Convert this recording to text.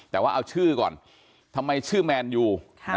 แต่ว่าเอาชื่อก่อนทำไมชื่อแมนยู